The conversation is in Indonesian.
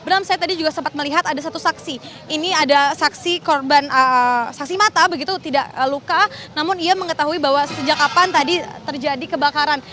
dan saya tadi juga sempat melihat ada satu saksi ini ada saksi korban saksi mata begitu tidak luka namun ia mengetahui bahwa sejak kapan tadi terjadi kebakaran